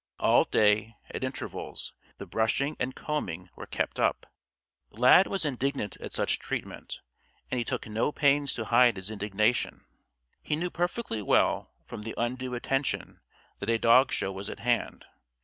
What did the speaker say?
All day, at intervals, the brushing and combing were kept up. Lad was indignant at such treatment, and he took no pains to hide his indignation. He knew perfectly well, from the undue attention, that a dog show was at hand.